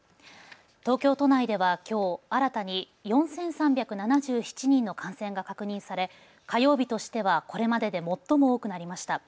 東京都内では、きょう新たに４３７７人の感染が確認され火曜日としてはこれまでで最も多くなりました。